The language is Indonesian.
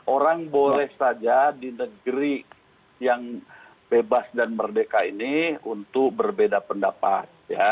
orang boleh saja di negeri yang bebas dan merdeka ini untuk berbeda pendapat